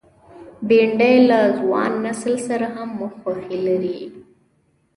بېنډۍ له ځوان نسل سره هم خوښي لري